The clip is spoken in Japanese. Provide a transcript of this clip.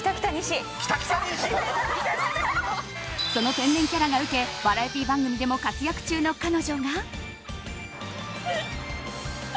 その天然キャラがウケバラエティー番組でも活躍中の彼女が。